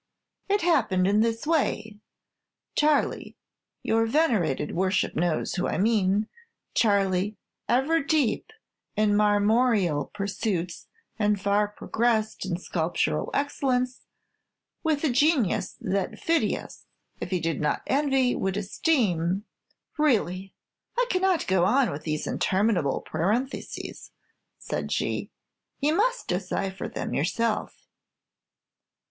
It happened in this way: Charley your venerated worship knows who I mean Charley, ever deep in marmorial pursuits, and far progressed in sculptorial excellence, with a genius that Phidias, if he did not envy, would esteem ' "Really I cannot go on with these interminable parentheses," said she; "you must decipher them yourself."